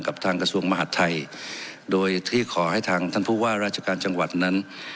ทางกระทรวงมหาดไทยโดยที่ขอให้ทางท่านผู้ว่าราชการจังหวัดนั้น